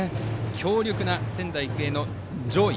強力な仙台育英の上位。